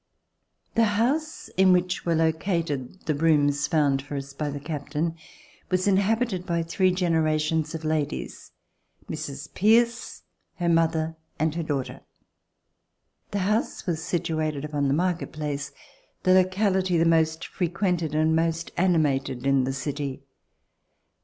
The house, in which were located the rooms found for us by the captain, was inhabited by three genera tions of ladies: Mrs. Pierce, her mother and her daughter. The house was situated upon the Market Place, the locality the most frequented and most animated in the city.